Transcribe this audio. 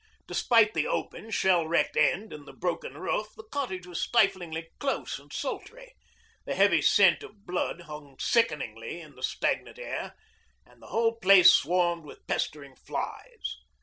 Despite the open, shell wrecked end and the broken roof, the cottage was stiflingly close and sultry, the heavy scent of blood hung sickeningly in the stagnant air, and the whole place swarmed with pestering flies.